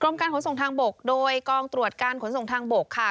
การขนส่งทางบกโดยกองตรวจการขนส่งทางบกค่ะ